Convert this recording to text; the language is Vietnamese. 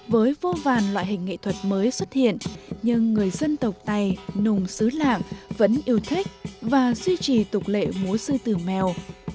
với vô vàn loại hình nghệ thuật mới xuất hiện nhưng người dân tộc tày nùng xứ lạng vẫn yêu thích và duy trì tục lệ múa sư tử mèo